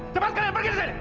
cepat kalian pergi dari sini